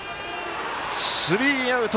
スリーアウト！